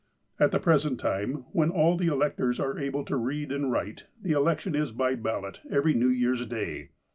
At the present time, when all the electors are able to read and write, the election is by ballot, every New Year's Day.